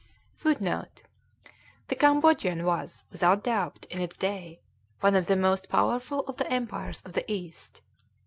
[Footnote: The Cambodian was, without doubt, in its day, one of the most powerful of the empires of the East.